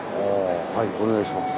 はいお願いします。